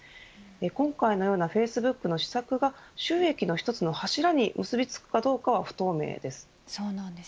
今回のようなフェイスブックの施策が収益の１つの柱に結びつくかは不透明です。